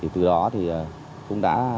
từ đó cũng đã